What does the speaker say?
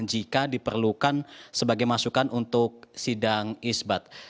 jika diperlukan sebagai masukan untuk sidang isbat